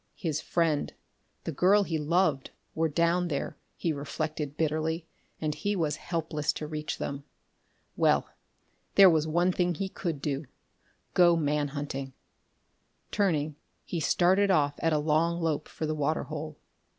His friend, the girl he loved, were down there, he reflected bitterly, and he was helpless to reach them. Well, there was one thing he could do go man hunting. Turning, he started off at a long lope for the water hole.